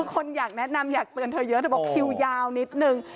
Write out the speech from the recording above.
คนอยากแนะนำอยากเตือนเธอเยอะเธอบอกคิวยาวนิดนึง